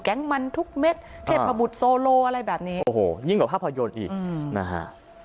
มันทุกเม็ดเทพบุตรโซโลอะไรแบบนี้โอ้โหยิ่งกว่าภาพยนตร์อีกนะฮะ